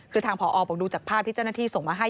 คือทางผอบอกดูจากภาพที่เจ้าหน้าที่ส่งมาให้